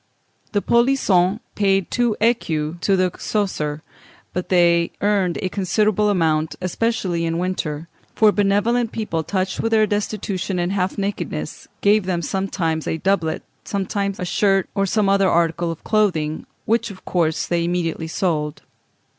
The polissons paid two écus to the Coesre, but they earned a considerable amount, especially in winter; for benevolent people, touched with their destitution and half nakedness, gave them sometimes a doublet, sometimes a shirt, or some other article of clothing, which of course they immediately sold.